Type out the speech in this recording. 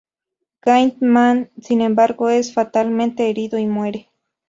Giant-Man, sin embargo, es fatalmente herido y muere.